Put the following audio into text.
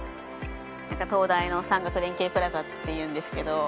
なんか東大の産学連携プラザっていうんですけど